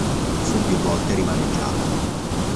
Fu più volte rimaneggiata.